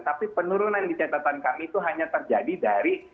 tapi penurunan di catatan kami itu hanya terjadi dari